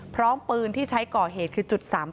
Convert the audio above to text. พร้อมปืนที่ใช้ก่อเหตุคือจุด๓๘